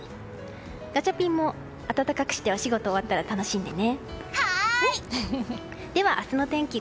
ガチャピンも暖かくしてお仕事終わったらはーい！では明日の天気